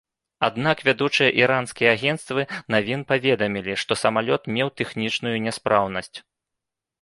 Аднак вядучыя іранскія агенцтвы навін паведамілі, што самалёт меў тэхнічную няспраўнасць.